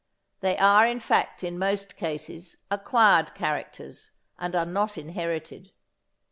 They are in fact in most cases acquired characters, and are not inherited.